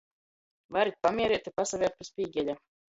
Varit pamiereit i pasavērt pi spīgeļa.